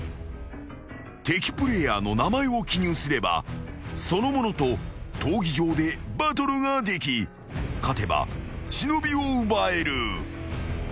［敵プレイヤーの名前を記入すればその者と闘技場でバトルができ勝てば忍を奪える］